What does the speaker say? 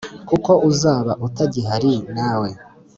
kuko uzaba utagihari nawe